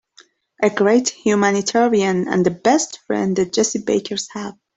A great humanitarian and the best friend the Jessie Bakers have.